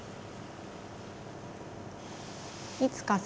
いつかさ